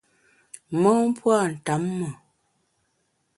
Mon pua’ ntamme.